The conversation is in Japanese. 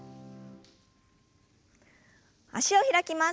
脚を開きます。